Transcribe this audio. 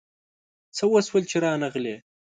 څه وشول چي رانغلې ؟